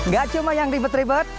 gak cuma yang ribet ribet